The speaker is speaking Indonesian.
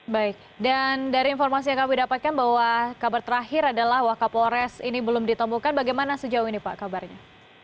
baik dan dari informasi yang kami dapatkan bahwa kabar terakhir adalah wakapolres ini belum ditemukan bagaimana sejauh ini pak kabarnya